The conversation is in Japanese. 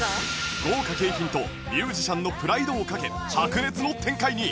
豪華景品とミュージシャンのプライドを懸け白熱の展開に